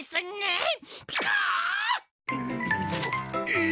え！？